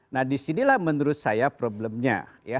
nah disinilah menurut saya problemnya